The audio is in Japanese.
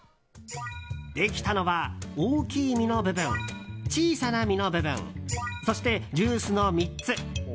できたのは大きい実の部分小さな実の部分そして、ジュースの３つ。